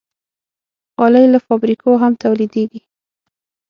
غالۍ له فابریکو هم تولیدېږي.